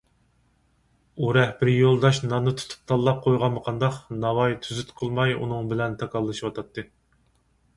ئۇ رەھبىرىي يولداش ناننى تۇتۇپ تاللاپ قويغانمۇ قانداق، ناۋاي تۈزۈت قىلماي ئۇنىڭ بىلەن تاكاللىشىۋاتاتتى.